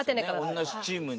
同じチームに。